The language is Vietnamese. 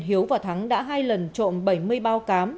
hiếu và thắng đã hai lần trộm bảy mươi bao cám